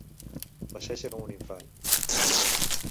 Passeja com un infant.